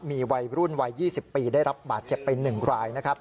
มีวัยรุ่นวัย๒๐ปีได้รับบาดเจ็บไป๑รายนะครับ